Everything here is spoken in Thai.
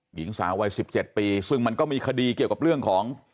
หญิงสาววัย๑๗ปีซึ่งมันก็มีคดีเกี่ยวกับเรื่องของ